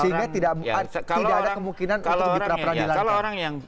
sehingga tidak ada kemungkinan untuk diperapkan di lainnya